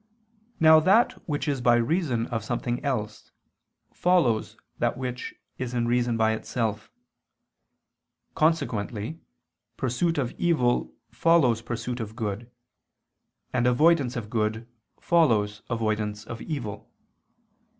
Now that which is by reason of something else, follows that which is by reason of itself. Consequently pursuit of evil follows pursuit of good; and avoidance of good follows avoidance of evil.